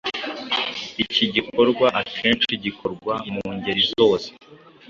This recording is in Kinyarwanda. Iki gikorwa akenshi gikorwa mu ngeri zose